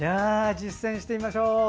実践してみましょう！